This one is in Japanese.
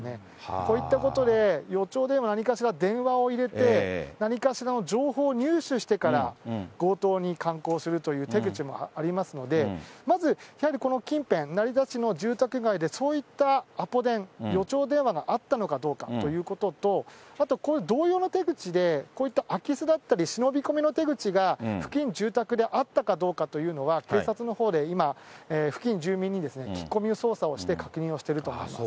こういったことで、予兆で何かしら電話を入れて、何かしらの情報を入手してから強盗に敢行するという手口もありますので、まず、やはりこの近辺、成田市の住宅街で、そういったアポ電、予兆電話があったのかどうかということと、あとこれ、同様の手口で、こういった空き巣だったり、忍び込みの手口が付近住宅であったかどうかというのは、警察のほうで今、付近住民に聞き込み捜査をして確認をしてると思います。